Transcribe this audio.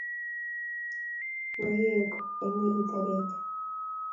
Maiunge eng wiikit agenge